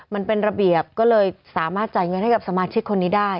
มันเป็นระเบียบก็เลยสามารถจ่ายเงินให้กับสมาชิกคนนี้ได้